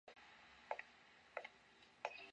松平家担任松江的统治者直到明治维新。